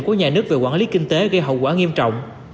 của nhà nước về quản lý kinh tế gây hậu quả nghiêm trọng